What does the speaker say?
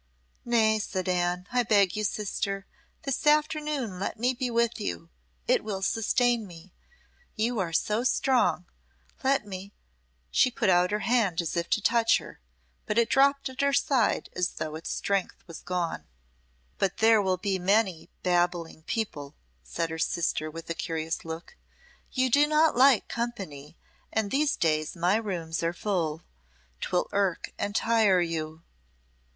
"Nay," said Anne; "I beg you, sister, this afternoon let me be with you; it will sustain me. You are so strong let me " She put out her hand as if to touch her, but it dropped at her side as though its strength was gone. "But there will be many babbling people," said her sister, with a curious look. "You do not like company, and these days my rooms are full. 'Twill irk and tire you."